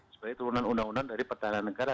sebagai turunan undang undang dari pertahanan negara